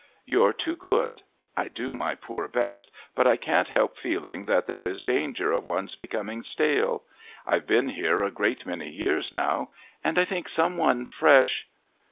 You're too good. I do my poor best, but I can't help feeling that there is danger of one's becoming stale. I've been here a great many years now and I think some one fresh...."